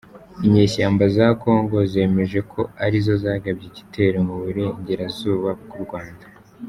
Inyeshyamba za congo zemeje ko ari zo yagabye igitero mu Burengerazuba bw’u Rwanda